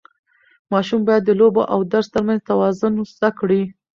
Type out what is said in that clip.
ماشوم باید د لوبو او درس ترمنځ توازن زده کړي.